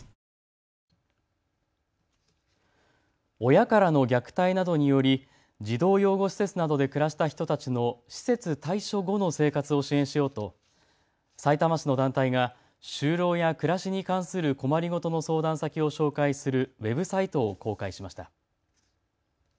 親からの虐待などにより児童養護施設などで暮らした人たちの施設退所後の生活を支援しようとさいたま市の団体が就労や暮らしに関する困り事の相談先を紹介するウェブサイトを公開しました。